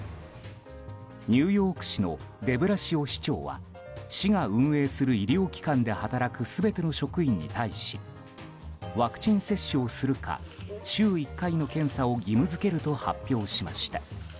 ニューヨーク市のデブラシオ市長は市が運営する医療機関で働く全ての職員に対しワクチン接種をするか週１回の検査を義務付けると発表しました。